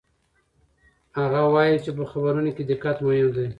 هغه وایي چې په خبرونو کې دقت مهم دی.